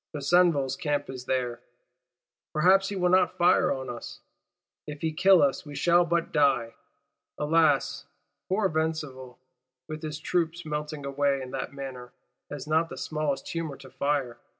Besenval's Camp is there; perhaps he will not fire on us; if he kill us we shall but die. Alas, poor Besenval, with his troops melting away in that manner, has not the smallest humour to fire!